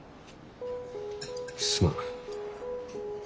すまん。